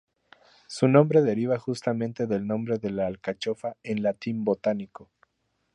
Su nombre deriva justamente del nombre de la alcachofa en latín botánico.